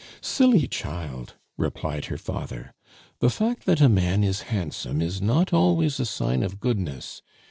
"Silly child!" replied her father. "The fact that a man is handsome is not always a sign of goodness.